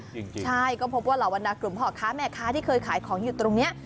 จริงใช่ก็พบว่าเหล่าบรรดากลุ่มพ่อค้าแม่ค้าที่เคยขายของอยู่ตรงนี้